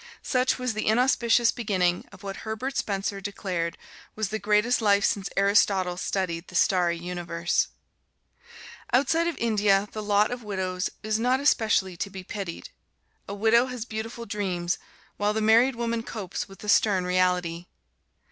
Such was the inauspicious beginning of what Herbert Spencer declared was the greatest life since Aristotle studied the starry universe. Outside of India the lot of widows is not especially to be pitied. A widow has beautiful dreams, while the married woman copes with the stern reality.